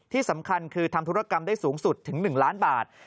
ที่สำคัญคือทำธุรกรรมได้สูงสุดถึง๑ล้านบาท